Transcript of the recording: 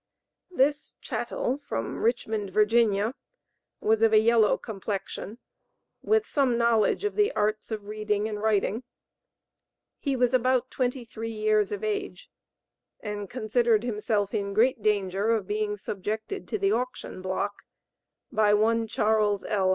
This "chattel" from Richmond, Virginia, was of a yellow complexion, with some knowledge of the arts of reading and writing; he was about twenty three years of age and considered himself in great danger of being subjected to the auction block by one Charles L.